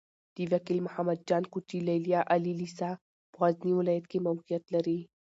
د وکيل محمد جان کوچي ليليه عالي لېسه په غزني ولايت کې موقعيت لري.